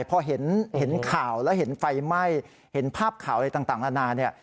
พอเห็นข่าวแล้วเห็นไฟไหม้เห็นภาพข่าวอะไรต่างนานาเนี่ย